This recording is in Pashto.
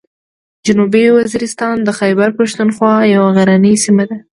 جنوبي وزیرستان د خیبر پښتونخوا یوه غرنۍ سیمه ده.